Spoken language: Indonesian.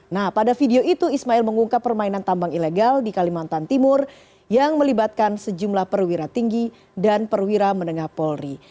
nah pada video itu ismail mengungkap permainan tambang ilegal di kalimantan timur yang melibatkan sejumlah perwira tinggi dan perwira menengah polri